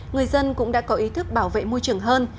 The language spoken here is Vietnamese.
người dân cũng đã có ý thức bảo vệ môi trường hơn